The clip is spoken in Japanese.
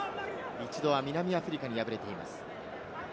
一度は南アフリカに敗れています。